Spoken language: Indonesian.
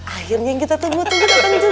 akhirnya kita temukan tunggu datang juga